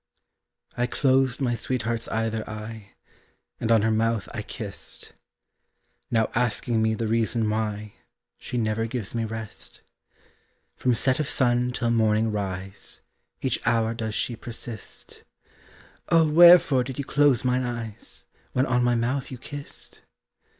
I closed my sweetheart's either eye, And on her mouth I kissed, Now asking me the reason why She never gives me rest. From set of sun till morning rise, Each hour does she persist, 'Oh wherefore did you close mine eyes, When on my mouth you kissed?"